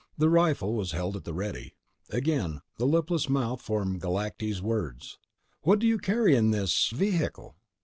The rifle was held at the ready. Again, the lipless mouth formed Galactese words: "What do you carry in this ... vehicle?"